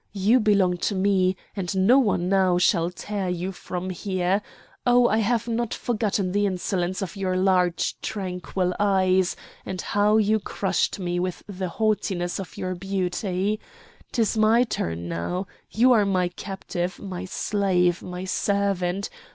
you belong to me! and no one now shall tear you from here! Oh! I have not forgotten the insolence of your large tranquil eyes, and how you crushed me with the haughtiness of your beauty! 'Tis my turn now! You are my captive, my slave, my servant!